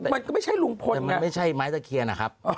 มันก็ไม่ใช่ลุงพลไม่ใช่ไม้ตะเคียนนะครับ